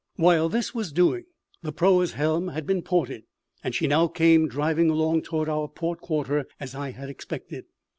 While this was doing, the proa's helm had been ported, and she now came driving along toward our port quarter, as I had expected.